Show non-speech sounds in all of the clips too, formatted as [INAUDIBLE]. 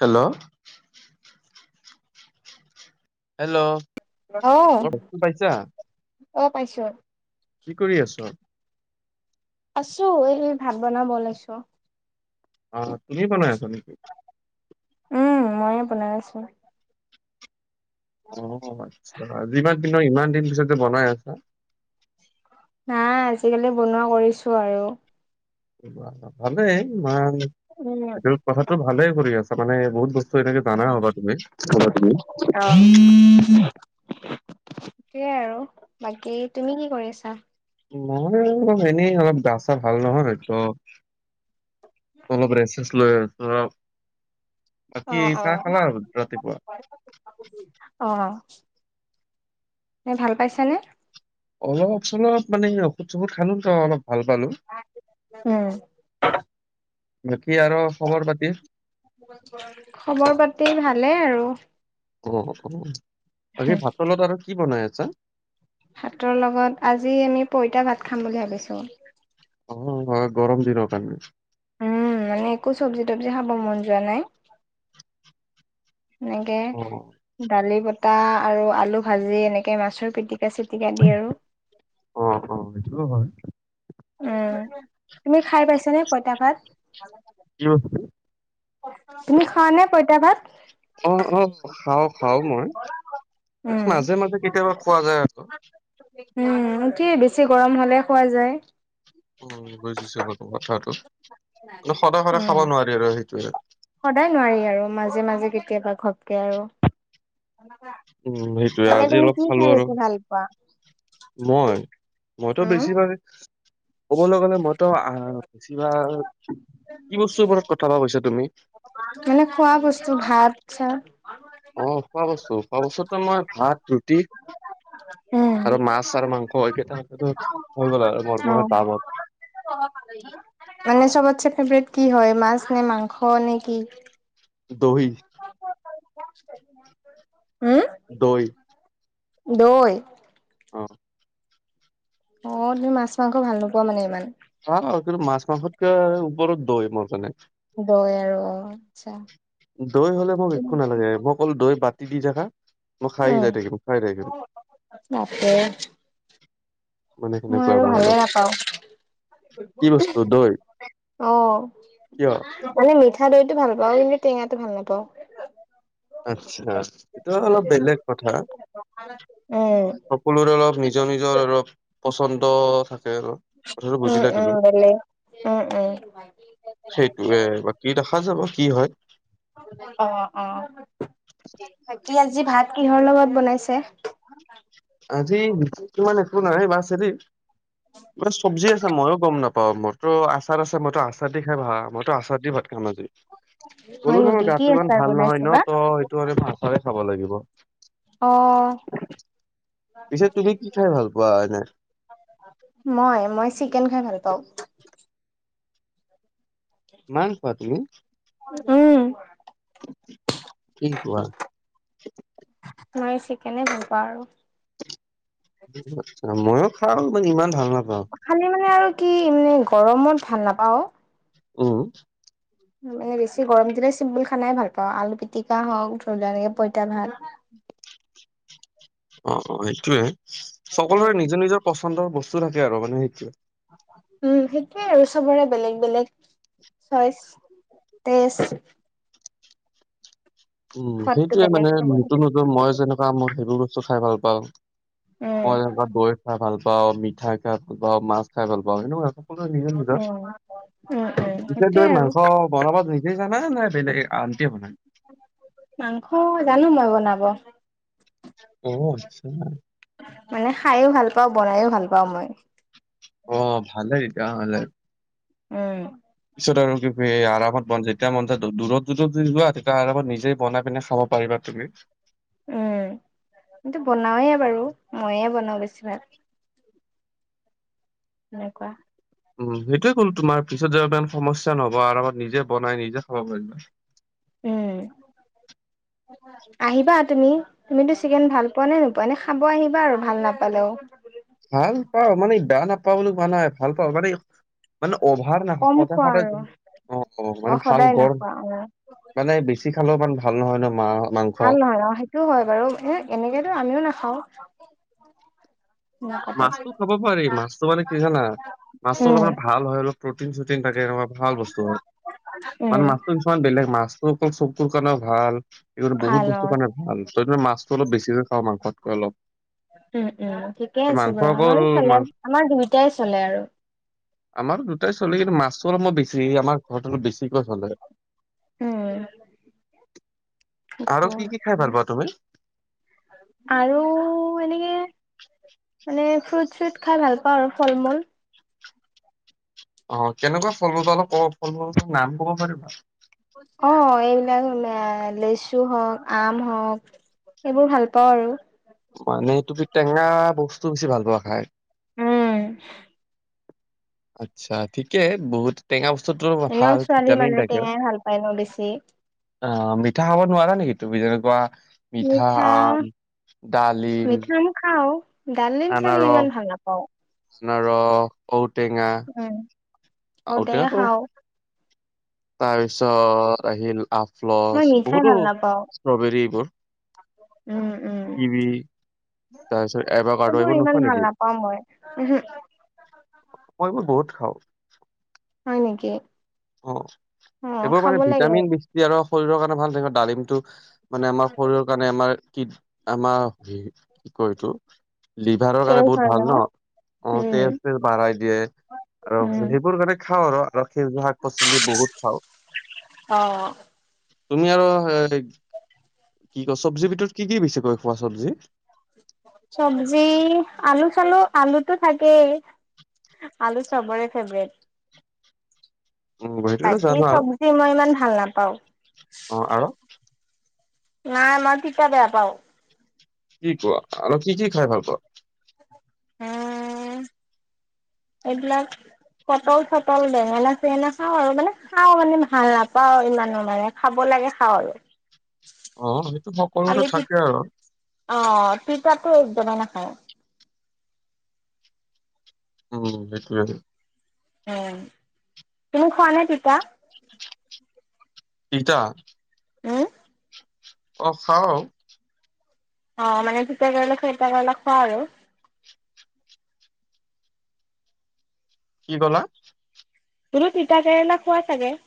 Hello. Hello. অ মোৰ বস্তু পাইছা অ পাইছো। কি কৰি আছ। আছোঁ এই ভাত বনাব ওলাইছোঁ। অ তুমি বনাই আছা নেকি। উম ময়েই বনাই আছোঁ। অ আচ্ছা যিমান ইমান দিন পিছত যে বনাই আছা। নাই আজিকালি বনোৱা কৰিছোঁ আৰু [UNINTELLIGIBLE] ভালেই মান উম কথাটো ভালে কৰি আছা মানে বহুত বস্তু এনেকে জানা হ'বা তুমি। অ। সেয়াই আৰু বাকী তুমি কি কৰি আছা। মই অলপ এনেই অলপ গা-চা ভাল নহয় ত অলপ ৰেষ্ট-চেষ্ট লৈ আছোঁ। অ অ। ৰাতিপুৱা অ এই ভাল পাইছানে। অলপ চলপ মানে ঔষধ-চৌষধ খালো ত অলপ ভাল পালোঁ। উম। বাকী আৰু খবৰ পাতি। খবৰ পাতি ভালে আৰু অ বাকী ভাত পানীৰ লগত আৰু কি বনাই আছা। ভাতৰ লগত আজি আমি পঁইতাভাত খাম বুলি ভাবিছোঁ। অ গৰম দিনৰ কাৰণে, উম মানে একো চবজি-তবজি খাব মন যোৱানাই। এনেকে অ দালি ভ [UNINTELLIGIBLE] আৰু আলু-ভাজি এনেকে মাছৰ পিটিকা-চিটিকা দি আৰু অ অ সেইটোয়ো হয়। উম তুমি খাই পাইছানে পঁইতাভাত। কিয় [UNINTELLIGIBLE] তুমি খোৱানে পঁইতাভাত। অ অ খাওঁ খাওঁ মই উম, মাজে মাজে কেতিয়াবা খোৱা যায় আৰু উম, সেইটোৱে বেছি গৰম হ'লে খোৱা যায়। উম, বুজিছো বাৰু কথাটো। মানে সদায় সদায় উম, খাব নোৱাৰি আৰু সেইটোয়ে। সদায় নোৱাৰি আৰু। মাজে মাজে কেতিয়াবা ঘপকে আৰু। উম, সেইটোয়ে এনে আজি তুমি অলপ কি খালো খাই আৰু বেছি ভাল পোৱা? মই? মইতো উম, বেছি ভাগে ক'বলৈ গলে মইতো আহ বেছিভাগ কি বস্তুৰ ওপৰত কথাটো কৈছা তুমি? এনে খোৱা বস্তু, ভাত চাত। অঁ খোৱা বস্তু, খোৱা বস্তুতো আমাৰ ভাত, ৰুটি। উম। আৰু মাছ আৰু মাংস, এইকেইটাটো হৈ গ'ল আৰু মোৰ পুৰা ডাৱত। এনে চবতছে ফেভৰেট কি হয়, মাছ নে, মাংস নে, কি? দহি। [INAUDIBLE] হুম? দৈ। দৈ? অঁহ। অঁ তুমি মাছ মাংস ভাল নোপোৱা মানে ইমান? খাওঁ, কিন্তু মাছ মাংসতকে ওপৰত দৈ, মোৰ কাৰণে। দৈ আৰু অঁ, আচ্ছা। দৈ হ'লে মোক একো নালাগে। মোক অকল দৈ বাতি দি থাকা। মই খাই উম যাই থাকিম, খাই থাকিম। বাপৰে মানে মই সেনেকুৱা আৰু ভালে অলপ কি বস্তু দৈ নাপাওঁ। অঁ। কিয় মানে মিঠা দৈটো ভাল পাওঁ। কিন্তু টেঙাটো ভাল নাপাওঁ। আচ্ছা। এইটো অলপ বেলেগ কথা। উম। সকলোৰে অলপ নিজৰ নিজৰ অলপ পচন্দ থাকে আৰু। কথাটো উম বুজিলা উম তুমি? বেলেগ উম উম সেইটোৱে। কি দেখা যাব কি হয়। অঁ অঁ। বাকী আজি ভাত কিহৰ লগত বনাইছে? আজি বিশেষ মানে একো নাই, বাচ হেৰি কিবা এটা চব্জি আছে, মইয়ো গম নাপাওঁ। মোৰতো আচাৰ আছে, মইতো আচাৰ দি খাই ভাল পাওঁ, মইতো আচাৰ দি ভাত খাম আজি। হয় ক'লো নহয় নেকি কি গাটো ইমান আচাৰ ভাল নহয় বনাইছে ন বা ত' সেইটো আমি ভালকৈয়ে খাব লাগিব। অঁহ। পিছে তুমি কি খাই ভাল পোৱা এনে? মই, মই চিকেন খাই ভাল পাওঁ। মাং খোৱা তুমি? উম। কি কোৱা? মই চিকেনে ভাল পাওঁ আৰু। মইও খাওঁ। মানে ইমান ভাল নাপাওঁ। খালি মানে আৰু কি মানে গৰমত ভাল নাপাওঁ। উম। মানে বেছি গৰম দিলে চিম্বুল খানাই ভাল পাওঁ। আলু পিটিকা হওঁক, ধৰি লোৱা এনেকে পইতা ভাত। অ', অ', হেইটোয়ে, সকলোৰে নিজৰ নিজৰ পচন্দৰ বস্তু থাকে আৰু মানে সেইটোৱে। উম, সেইটোৱে আৰু চবৰে বেলেগ-বেলেগ চইচ তেষ্ট উম, সোৱাদটো সেইটোয়ে মানে বেলেগ চবৰে নতুন-নতুন মই যেনে মই সেইবোৰ বস্তু খাই ভাল পাওঁ। মই উম এনেকুৱা দৈ খাই ভাল পা বা মিঠাই খাই ভাল পাওঁ, মাছ খাই ভাল পাওঁ। সেনেকুৱা সদায় নিজৰ নিজৰ, উম উম উম বিশেষ কৈ সেইটোয়ে আৰু মাংস বনাব নিজে জানা নে বেলেগে আনটিয়ে বনায়? মাংস জানো মই বনাব। [UNINTELLIGIBLE] মানে খাইও ভাল পাওঁ, বনাইও ভাল পাওঁ মই। অ', ভালেইে তেতিয়াহলে। উম। পিছত আৰু [UNINTELLIGIBLE] আৰামত বন-যেতিয়া মন যায় দূৰত-দূৰত যোৱা তেতিয়া আৰামত নিজে বনাই পিনে খাব পাৰিবা। তুমি? উম, কিন্তু বনাওয়ে বাৰু মইয়ে বনাওঁ বেছি ভাগ। সেনেকুৱা। উম, সেইটোয়ে ক'লো। তোমাৰ পিছত যেন ইমান সমস্যা ন'হব। আৰামত নিজে বনাই নিজে খাব পাৰিবা। উম [INAUDIBLE] আহিবা তুমি। তুমিতো চিকেন ভাল পোৱা নে নোপোৱা? এনে খাব আহিবা আৰু ভাল নাপালেও। ভাল পাওঁ। মানে বেয়া নাপাওঁ বুলি কোৱা নাই। ভাল পাওঁ মানে এই মানে অভাৰ নাখাওঁ। কম খোৱা সদায়-সদায় আৰু [UNINTELLIGIBLE] অ', অ', মানে ভাল সদায় গ়ৰ নোখোৱা অ মানে বেছি খালেও ইমান ভাল নহয় ন, মা মাংস। ভাল নহয়। অ', সেইটো হয় বাৰু। এ এনেকেতো আমিও নাখাওঁ। নাকাটে মাছতো খাব পাৰি। মাছটো মানে কি জানা মাছটো অলপ উম মান ভাল হয় অলপ প্ৰটিন-শ্ৰটিন থাকে ভাল বস্তু হয়। উম মানে মাছটো কিছুমান বেলেগ, মাছটো অকল চক কুুৰ কাৰণেও ভাল। সেইকাৰণে ভাল বহুত অ বস্তুৰ কাৰণে ভাল। [UNINTELLIGIBLE] মাছটো অলপ বেছিকৈ খাওঁ মাংসতকে অলপ। উম, উম, ঠিকেই আছে মাংস বাৰু। অকল আমাৰো মাংস চলে। আমাৰ দুইটাই চলে আৰু। আমাৰ দুটাই চলে, কিন্তু মাছটো অলপ মই বেছি আমাৰ ঘৰত আৰু বেছিকৈ চলে। উম। সেইটো আৰু কি কি খাই ভাল পোৱা তুমি? আৰু এনেকে মানে ফ্ৰুট-চ্ৰুট খাই ভাল পাওঁ আৰু ফল-মূল। অ', কেনেকুৱা ফল-মূল বা অলপ ক'ব, ফল-মূলটোৰ নাম ক'ব পাৰিবা? অ', এইবিলাক আ লেচু হওঁক, আম হওক এইবোৰ ভাল পাওঁ আৰু। মানে তুমি টেঙা বস্তু বেছি ভাল পোৱা খাই। উম। আচ্ছা ঠিকে বহুত টেঙা বস্তুটো এনেও ভাল ছোৱালী ভিটামিন মানুহে থাকে। টেঙাই ভাল পায় ন বেছি অ', মিঠা খাব নোৱাৰা নেকি তুমি? যেনেকুৱা মিঠা আম, ডালিম। খাও। ডালিম-চালিম ইমান ভাল নাপাওঁ। অনাৰস ঔ টেঙা উম ঔ ঔটেঙা টেঙাটো খাওঁ তাৰপিছত আহিলোঁ আফলছ মই মিঠাই বহুতো ভাল নাপাওঁ ষ্ট্ৰবেৰী এইবোৰ। উম, উম। কিৱি তাৰপিছত এভাকাডো সেইবোৰ এইবোৰ ইমান নোখোৱা নেকি? ভাল নাপাওঁ মই উহ। মই এইবোৰ বহুত খাওঁ। হয়, নেকি? অ', অ এইবোৰ খাব মানে লাগে ভিটামিন বেছি ইয়াৰ ‌ ৰস শৰীৰৰ কাৰণে ভাল তেনেকে ডালিমটো মানে আমাৰ শৰীৰৰ। কাৰণে আমাৰ কৃ আমাৰ হে কি শৰীৰটো লিভাৰৰ কাৰণে তেজ বহুত হয় ভাল ন' অ', উম তেজ চেজ বঢ়াই দিয়ে আৰু উম সেইবোৰ কাৰণে খাওঁ আৰু আৰু সেইজীয়া শাক পাচলি বহুত খাওঁ। অ', তুমি আৰু এ কি কয় চব্জিৰ ভিতৰত কি কি বেছি কৈ খোৱা চব্জি? চব্জি আলু চালু আলুতো থাকেই। আলু চবৰে ফেভৰেট। উম সেইটোতো বাকী জানো আৰু চব্জি মই ইমান ভাল নাপাওঁ। অ', আৰু? নাই মই তিতাঁ বেয়া পাওঁ। কি কোৱা আৰু কি কি খাই ভাল পোৱা? উম এইবিলাক পটল চটল বেঙেনা চেঙেনা খাওঁ আৰু মানে খাওঁ মানে ভাল নাপাওঁ ইমানৰ মানে। খাব লাগে খাওঁ আৰু। অ', সেইটো সকলোৰে থাকে আৰু। অ'হ, তিতাটো একদমেই নাখাওঁ। উম, সেইটোৱে। উম, তুমি খোৱা নে তিতা? তিতা? উম, অহ', খাওঁ। অহ', মানে তিতা কেৰেলা চিতা কেৰেলা খোৱা আৰু। কি ক'লা? বোলো তিতা কেৰেলা খোৱা চাগে।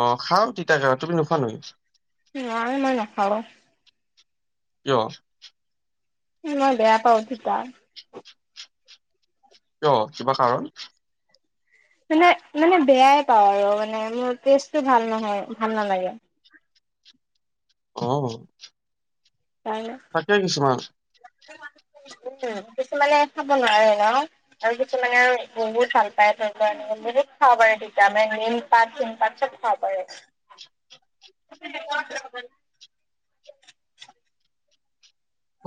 অ', হ খাওঁ তিতা কেৰেলা তুমি নোখোৱা নেকি? নাই মই নাখাওঁ। কিয়? কি মই বেয়া পাওঁ তিতা। কিয় কিবা কাৰণ। মানে মানে বেয়াই পাওঁ আৰু মানে মোৰ টেষ্টটো ভাল নহয় ভাল নালাগে। অ'হ। কাৰ। তাকে কিছুমান। উম কিছুমানে খাব নোৱাৰে ন। আৰু কিছুমানে আৰু বহুত ভাল পায় ধৰি লোৱা বহুত খাব পাৰে তিতা মান মেগ পাত ফোন পাত চত খাব পাৰে। [UNINTELLIGIBLE]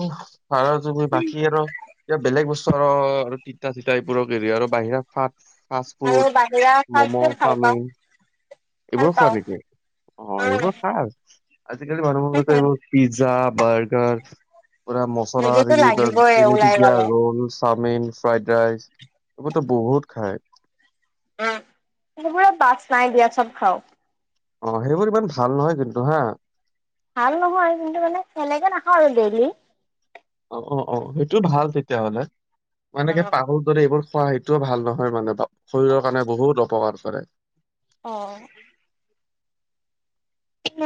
উহ ছাৰ যোনবোৰ বাকী এত কিবা বেলেগ বস্তু। চব তিতা চিতা এইবোৰক এৰি আৰু বাহিৰা ফা ফাষ্ট আৰু ফুড, বাহিৰা ফাষ্ট মম' ফুড ভাল পাওঁ চাওমিন ভাল এইবোৰো খোৱা পাওঁ নেকি অঁ, উম। এইবোৰ খাচ আজিকালি মানুহৰ এইবোৰ পিজ্জা বাৰ্গাৰ পুৰা মছলা [UNINTELLIGIBLE] সেইবোৰতো লাগিবই ওলাই তেনিপিকীয়া গ'লে ৰল চাওমিন, ফ্ৰাইড ৰাইচ, এইবোৰতো বহুত খায়। [UNINTELLIGIBLE] সেবোৰত বাছ নাই দিয়া, চব খাওঁ। অঁ সেইবোৰ ইমান ভাল নহয় কিন্তু হা। ভাল নহয় কিন্তু মানে সেলেকে নাখাওঁ আৰু ডেইলি। অঁ' অঁ অঁ সেইটো ভাল তেতিয়া হ'লে মই এনেকে অ' পাহ যদি এইবোৰ খোৱা সেইটোও ভাল নহয় মানে বা শৰীৰৰ কাৰণে বহুত অপকাৰ কৰে। অঁ'।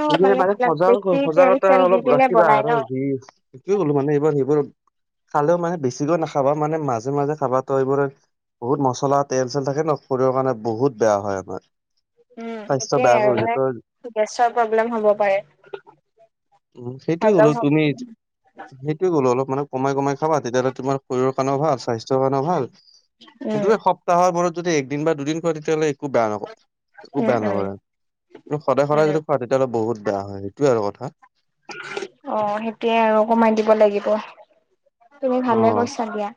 সে মানে এইবিলাক সজাগ বেছি তেল সজাগতা চেল দি অলপ পিনে ৰাখিবা বনাই ন। আৰু বিৰ সেইটোৱে ক'লো মানে এইবোৰ সেইবোৰ খালেও মানে বেছিকৈ নাখাবা মানে মাজে মাজে খাবা তো এইবোৰ বহুত মছলা তেল চেল থাকে ন শৰীৰৰ কাৰণে বহুত বেয়া হয় আমাৰ। স্বাস্থ্য সেইটোয়ে বেয়া আৰু কৰি দিয়ে মানে তই। গেছৰ প্ৰব্লেম হ'ব পাৰে। উ সেইটোয়ে কলো হজম হ'ব তুমি সেইটোয়ে কলো অলপ মানে কমাই কমাই খাবা তেতিয়াহ'লে তোমাৰ শৰীৰ কাৰণেও ভাল, স্বাস্থ্যৰ কাৰণেও ভাল উম সেইটোৱে সপ হৰ মূৰত যদি একদিন বা দুদিন খোৱা তেতিয়া হ'লে একো বেয়া নহয়। একো উম বেয়া উম নকৰে, কিন্তু সদায় সদায় উম যদি খোৱা তেতিয়াহ'লে বহুত বেয়া হয়, সেইটোয়ে আৰু কথা। অঁ সেইটোয়ে আৰু কমাই দিব লাগিব। তুমি ভালে কৈছা দিয়া।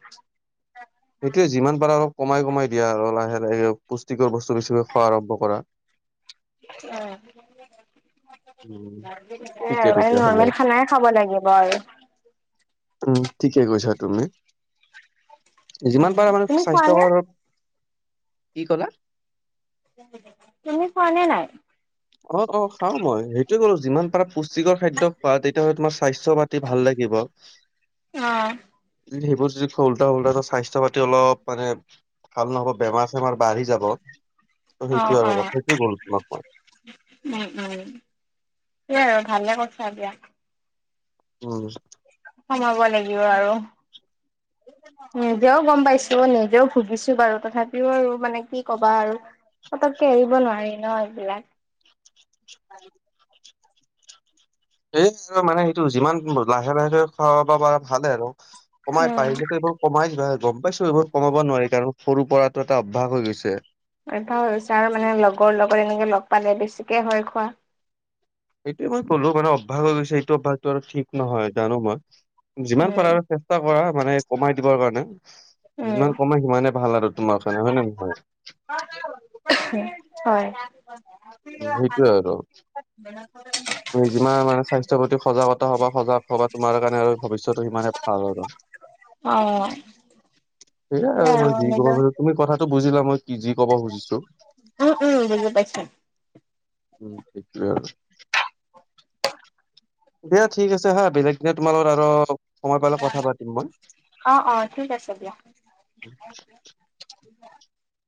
এইটোয়ে যিমান পাৰা অলপ কমাই কমাই দিয়া আৰু লাহে লাহে পুষ্টিকৰ বস্তু বেছিে খোৱা আৰম্ভ কৰা। [UNINTELLIGIBLE] উম অঁ [UNINTELLIGIBLE] সেই ঠিকে আৰু মানে তেতিয়াহ'লে নৰ্মেল খানাই খাব লাগিব আৰু। উম, ঠিকে কৈছা তুমি। যিমান পাৰা মানে তুমি খোৱা নে? স্বাস্থ্যকৰ কি কলা? তুমি খোৱা নে নাই। অঁ অঁ খাও মই সেইটোয়ে কলো যিমান পাৰা পুষ্টিকৰ খাদ্য খোৱা তেতিয়াহ'লে তোমাৰ স্বাস্থ্য পাতি ভাল লাগিব। অ সেইবোৰ যদি খোৱা উল্টা উল্টা ত' স্বাস্থ্য পাতি অলপ মানে ভাল নহ'ব বেমাৰ চেমাৰ বাঢ়ি যাব। ত অ সেইটোয়ে আৰু অ সেইটোয়ে কলো তোমাক মই। উম উম সেই আৰু ভালে কৈছা দিয়া। উম। সোমাব লাগিব আৰু। [INAUDIBLE] নিজেও গ'ম পাইছো নিজেও ভুগিছো বাৰু তথাপিও আৰু মানে কি কবা আৰু। পতককে এৰিব নোৱাৰি ন এইবিলাক। [INAUDIBLE] এই মানে সেইটো যিমান লাহে লাহেকে খোৱাব পাৰা ভালে আৰু কমাই উম পাৰিলে টো এইবো কমাই দিবা গ'ম পাইছো এইবোৰ কমাব নোৱাৰি, কাৰণ সৰু পৰাটো এটা অভ্যাস হৈ গৈছে। অভ্যাস হৈ গৈছে, আৰু মানে লগৰ লগত এনেকৈ লগ পালে বেছিকৈ হয় খোৱা। এইটোয়ে মই ক'লো মানে অভ্যাস হৈ গৈছে। এইটো অভ্যাসটো আৰু ঠিক নহয় জানো মই যিমান পাৰা উম আৰু চে ষ্টা কৰা মানে কমাই দিবৰ কাৰণে, উম যিমান কমাই সিমানে ভাল আৰু তোমাৰ কাৰণে হয়নে নে নহয়? হয়, উম, সেইটোয়ে আৰু। হয়। তুমি যিমান [UNINTELLIGIBLE] মানে স্বাস্থ্যৰ প্ৰতি সজাগতা'সবা সজাগ হব তোমাৰ কাৰণে আৰু ভৱিষ্যটো সিমানে ভাল ভাল হ'ব অ সেইয়াই আৰু মই যি কওঁ পিছত তুমি কথাটো বুজিলা মই কি যি কব খুজিছো। উম উম বুজি পায় চো। উম সেইখোৱ আৰু। [UNINTELLIGIBLE] দিয়া ঠিক আছে হা বেলেগ দিনা তোমাৰ লগত আৰু সময় পালে কথা পাতিম মই। অ অ ঠিক আছে দিয়া